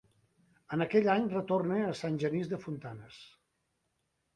En aquell any retornà a Sant Genís de Fontanes.